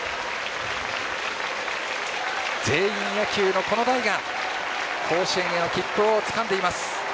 全員野球のこの代が甲子園への切符をつかんでいます。